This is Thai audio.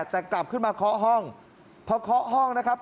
แต่กลับขึ้นมาเคาะห้องพอเคาะห้องนะครับ